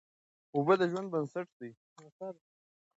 اوبه د ژوند بنسټ دی.